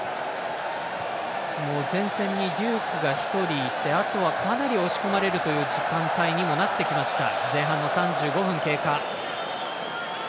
前線にデュークが１人いてあとはかなり押し込まれるという時間帯にもなってきました。